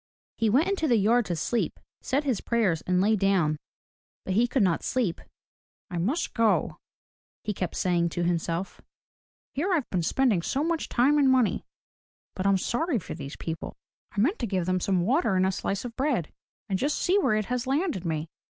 He went into the yard to sleep, said his prayers and lay down. But he could not sleep. "I must go," he kept saying to himself. "Here I've been spending so much time and money — but I'm sorry for these people. I meant to give them some water and a slice of bread, and just see where it has landed me.